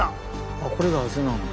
あっこれが汗なんだ。